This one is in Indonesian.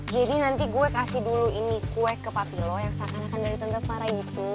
jadi nanti gue kasih dulu ini kue ke papi lo yang seakan akan dari tempat parah gitu